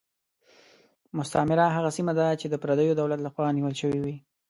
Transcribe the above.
مستعمره هغه سیمه ده چې د پردیو دولت له خوا نیول شوې.